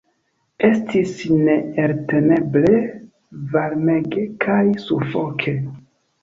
Estis neelteneble varmege kaj sufoke.